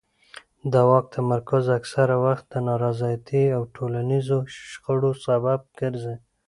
د واک تمرکز اکثره وخت د نارضایتۍ او ټولنیزو شخړو سبب ګرځي